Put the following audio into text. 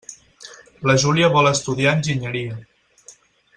La Júlia vol estudiar enginyeria.